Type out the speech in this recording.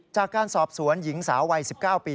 จากการสอบสวนหญิงสาววัย๑๙ปี